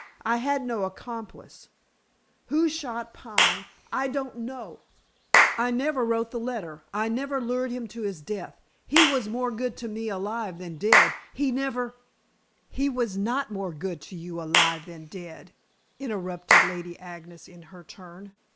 "I had no accomplice. Who shot Pine I don't know. I never wrote the letter; I never lured him to his death; he was more good to me alive than dead. He never " "He was not more good to you alive than dead," interrupted Lady Agnes in her turn.